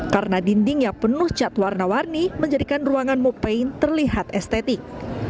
karena dinding yang penuh cat warna warni menjadikan ruangan mopane terlihat estetik